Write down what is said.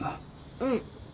うん。